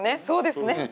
そうですね。